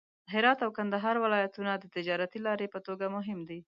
هرات او کندهار ولایتونه د تجارتي لارې په توګه مهم دي.